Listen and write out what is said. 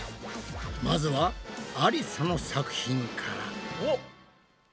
まずはありさの作品から。